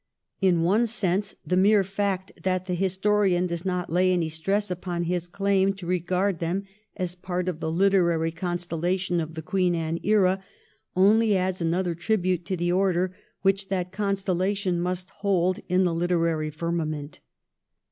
In one sense the mere fact that the historian does not lay any stress upon his claim to regard them as part of the literary con stellation of the Queen Anne era only adds another tribute to the order which that constellation must hold in the literary firmament.